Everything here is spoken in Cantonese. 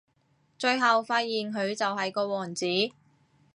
最後發現佢就係個王子